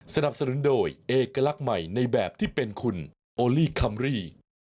สนับสนุนโดยเอกลักษณ์ใหม่ในแบบที่เป็นคุณโอลี่คัมรี่